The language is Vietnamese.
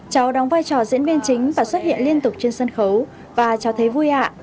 cháu đóng vai trò diễn viên chính và xuất hiện liên tục trên sân khấu và cháu thấy vui ạ